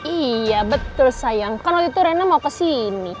iya betul sayang kan waktu itu rena mau kesini